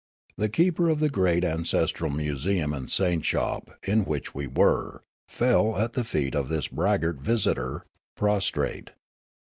The keeper of the great ancestral museum and saint .shop, in which we were, fell at the feet of his braggart visitor, prostrate.